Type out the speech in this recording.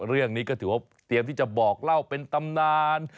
เรื่องนี้ก็ถือว่าเตรียมที่จะบอกเล่าเป็นตำนาน